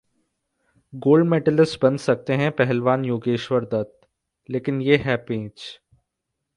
gold medalist बन सकते हैं पहलवान योगेश्वर दत्त, लेकिन ये है पेंच